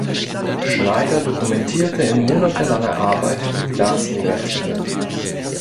Schneider dokumentierte in monatelanger Arbeit die Glasnegative.